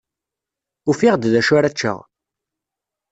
Ufiɣ-d d acu ara ččeɣ.